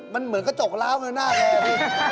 มันเหมือนกระจกราวเหมือนหน้ากราว